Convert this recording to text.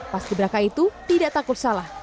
paski beraka itu tidak takut salah